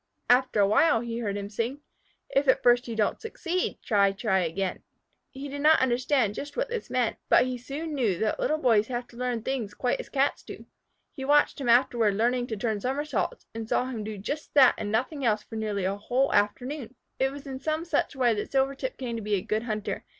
After a while he heard him sing. If at first you don't succeed Try, try again. He did not understand just what this meant, but he soon knew that Little Boys have to learn things quite as Cats do. He watched him afterward learning to turn summersaults, and saw him do just that and nothing else for nearly a whole afternoon. It was in some such way that Silvertip came to be a good hunter.